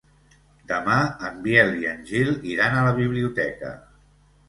Demà en Biel i en Gil iran a la biblioteca.